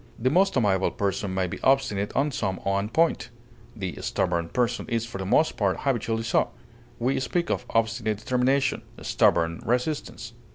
The most amiable person may be obstinate on some one point; the stubborn person is for the most part habitually so; we speak of obstinate determination, stubborn resistance.